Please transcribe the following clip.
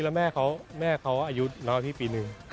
แล้วแม่เค้าอายุหน้าพี่ปี๑